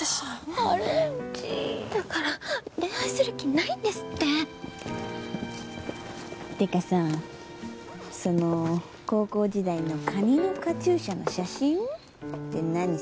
ハレンチだから恋愛する気ないんですっててかさその高校時代のかにのカチューシャの写真って何？